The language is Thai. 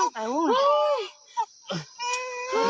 เด็กนี้